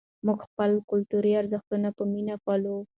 موږ خپل کلتوري ارزښتونه په مینه پالو.